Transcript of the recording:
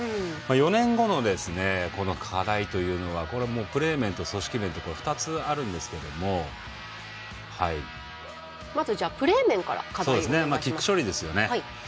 ４年後の課題というのはプレー面と組織面で２つあるんですけれどもキック処理ですよね。